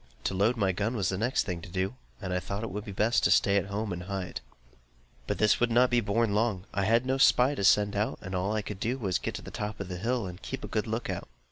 To load my gun was the next thing to do, and I thought it would be best to stay at home and hide. But this was not to be borne long. I had no spy to send out and all I could do was to get to the top of the hill, and keep a good look out.